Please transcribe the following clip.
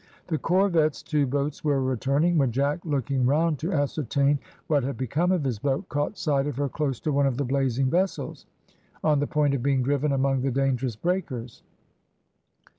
The corvette's two boats were returning, when Jack, looking round to ascertain what had become of his boat, caught sight of her close to one of the blazing vessels, on the point of being driven among the dangerous breakers.